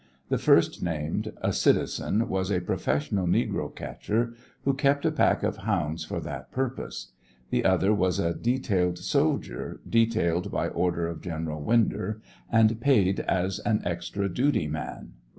The first named, a citizen, was a professional negro catcher who kept a pack of hounds for that purpose ; the other was a detailed soldier, detailed by order of General Winder, and paid as an extra duty man.